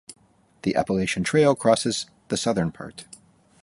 The Appalachian Trail crosses the southern part.